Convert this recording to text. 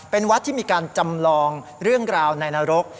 เป็นวัดที่มีการจำลองเรื่องราวในนรก